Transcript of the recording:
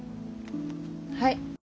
はい。